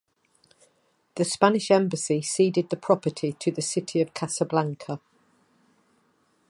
The Spanish Embassy ceded the property to the city of Casablanca.